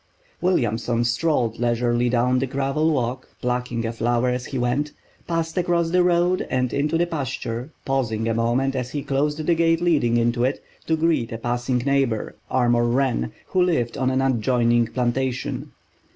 Williamson strolled leisurely down the gravel walk, plucking a flower as he went, passed across the road and into the pasture, pausing a moment as he closed the gate leading into it, to greet a passing neighbor, Armour Wren, who lived on an adjoining plantation.